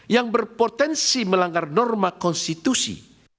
yang berpotensi melanggar norma konstitusi